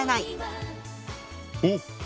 おっ！